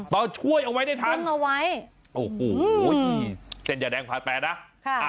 เราช่วยเอาไว้ได้ทันโอ้โหเส้นอย่าแดงผ่านแปลนะค่ะ